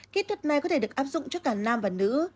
kích thước này có thể được áp dụng cho cả nam và nữ